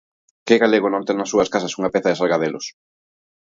¿Que galego non ten nas súas casas unha peza de Sargadelos?